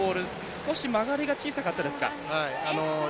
少し曲がりが小さかったですか？